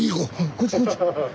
こっちこっち。